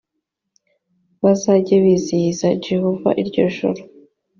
bazajye bizihiriza yehova iryo joro